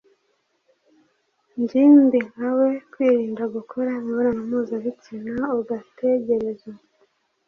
ngimbi nkawe kwirinda gukora imibonano mpuzabitsina ugategereza